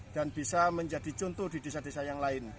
dan bisa menjadi contoh di desa desa yang lain